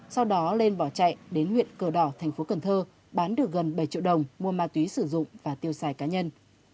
sau đó lên bỏ chạy đến huyện cờ đỏ thành phố cần thơ bán được gần bảy triệu đồng mua ma túy sử dụng và tiêu xài cá nhân